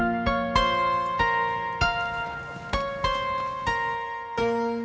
nanti bilangin minum obatnya sesuai dosis ya